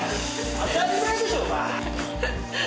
当たり前でしょうが！